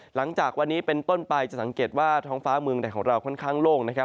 หลังจากวันนี้เป็นต้นไปจะสังเกตว่าท้องฟ้าเมืองไทยของเราค่อนข้างโล่งนะครับ